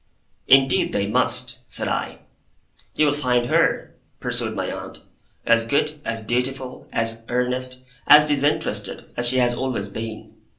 'Indeed they must,' said I. 'You will find her,' pursued my aunt, 'as good, as beautiful, as earnest, as disinterested, as she has always been.